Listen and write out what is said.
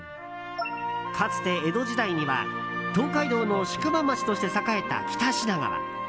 かつて、江戸時代には東海道の宿場町として栄えた北品川。